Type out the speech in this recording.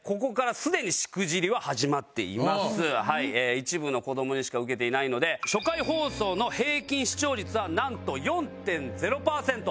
一部の子どもにしか受けていないので初回放送の平均視聴率はなんと４．０パーセント。